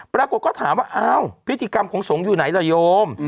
ปรากฏว่าก็ถามว่าอ้าวพิธีกรรมของสงฆ์อยู่ไหนล่ะโยม